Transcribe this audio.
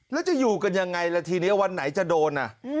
แล้วจะอยู่กันยังไงล่ะทีนี้วันไหนจะโดน